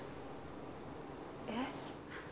えっ？